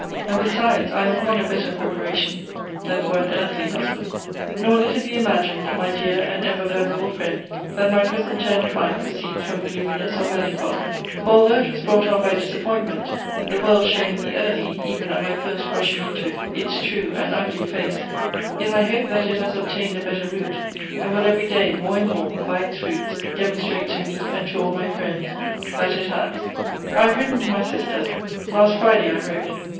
And, besides, I am upon a better preparation than for an earthly husband. Nor let it be imagined, my dear and ever venerable friend, that my present turn of mind proceeds from gloominess or melancholy; for although it was brought on by disappointment, (the world showing me early, even at my first rushing into it, its true and ugly face,) yet I hope that it has obtained a better root, and will every day more and more, by its fruits, demonstrate to me, and to all my friends, that it has. I have written to my sister. Last Friday I wrote.